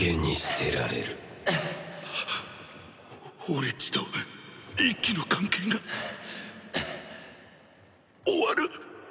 俺っちと一輝の関係が終わる！？